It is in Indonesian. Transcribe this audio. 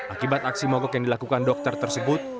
akibat aksi mogok yang dilakukan dokter tersebut